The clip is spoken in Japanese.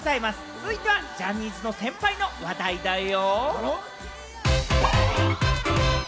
続いてはジャニーズの先輩の話題だよ。